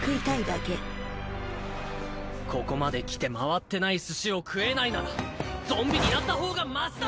ここまできて回ってない寿司を食えないならゾンビになった方がましだ！